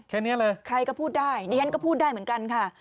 นี้เลยใครก็พูดได้ดิฉันก็พูดได้เหมือนกันค่ะ